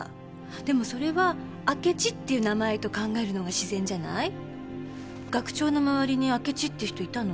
でもそれは「明智」っていう名前と考えるのが自然じゃない？学長の周りに明智っていう人いたの？